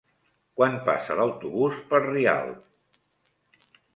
Quan passa l'autobús per Rialp?